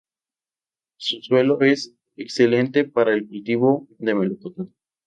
Su suelo es excelente para el cultivo de melocotón.